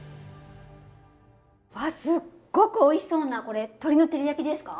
わあすっごくおいしそうな。これ鶏の照り焼きですか？